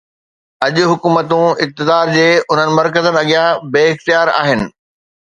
اڄ حڪومتون اقتدار جي انهن مرڪزن اڳيان بي اختيار آهن.